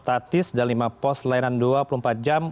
statis dan lima post pelayanan dua puluh empat jam